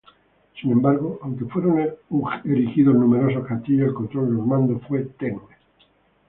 Sin embargo, aunque fueron erigidos numerosos castillos, el control normando fue tenue.